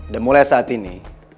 dan mulai saat ini